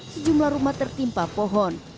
semua rumah tertimpa pohon